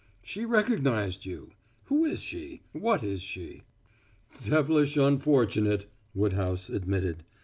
"She recognized you. Who is she? What is she?" "Devilish unfortunate," Woodhouse admitted.